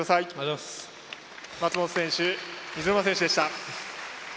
松元選手、水沼選手でした。